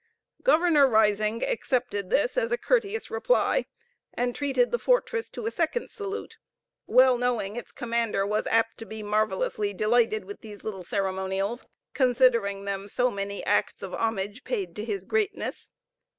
Governor Risingh accepted this as a courteous reply, and treated the fortress to a second salute, well knowing its commander was apt to be marvelously delighted with these little ceremonials, considering them so many acts of homage paid to his greatness.